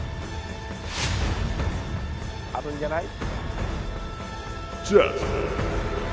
あるんじゃない？